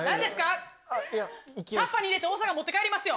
タッパーに入れて大阪持って帰りますよ。